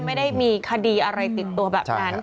ไม่ได้มีคดีอะไรติดตัวแบบนั้น